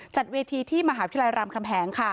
จัดเวทีที่มหาวิทยาลัยรามคำแหงค่ะ